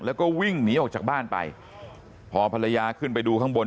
แล้วก็วิ่งหนีออกจากบ้านไปพอภรรยาขึ้นไปดูข้างบน